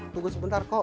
tunggu sebentar ko